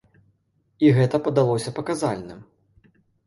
І гэта падалося паказальным.